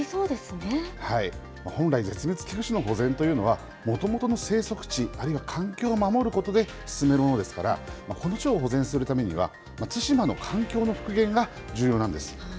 本来、絶滅危惧種の保全というのは、もともとの生息地、あるいは環境を守ることで進めるものですから、このチョウを保全するためには、対馬の環境の復元が重要なんです。